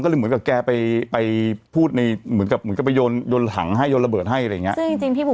เหมือนกับแกไปพูดในเหมือนกับไปโยนหังให้โยนระเบิดให้อะไรอย่างนี้